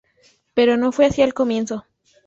Pero no fue así al comienzo.